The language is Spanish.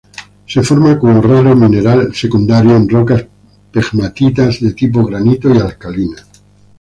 Se forma como raro mineral secundario, en rocas pegmatitas de tipo granito y alcalinas.